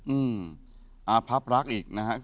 อืมอาพับรักอีกนะครับ